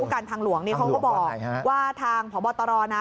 ปุกรันฐานหลวงเขาก็บอกว่าทางพอบตรร